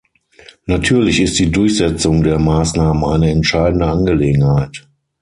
Natürlich ist die Durchsetzung der Maßnahmen eine entscheidende Angelegenheit.